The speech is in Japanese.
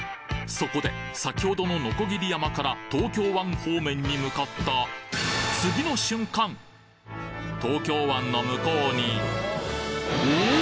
そこで先ほどの鋸山から東京湾方面に向かった東京湾の向こうにおぉ！